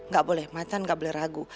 gak boleh macan gak boleh ragu